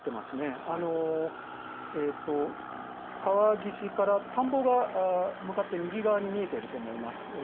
川岸から田んぼが右側に見えていると思います。